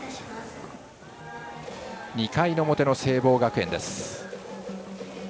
２回の表の聖望学園です。